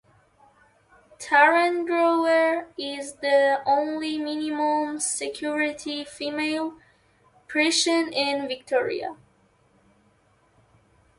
Tarrengower is the only minimum security female prison in Victoria.